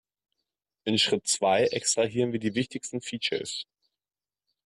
In Schritt zwei extrahieren wir die wichtigsten Features.